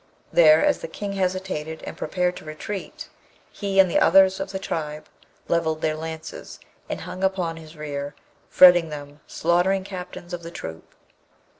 There, as the King hesitated and prepared to retreat, he and the others of the tribe levelled their lances and hung upon his rear, fretting them, slaughtering captains of the troop.